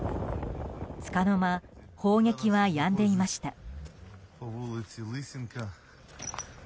つかの間砲撃はやんでいました。